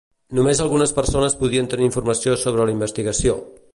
Només algunes persones podien tenir informació sobre la investigació.